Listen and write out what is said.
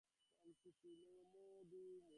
দেখো তুমি কী করছ!